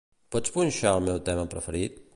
Pots punxar el meu tema preferit?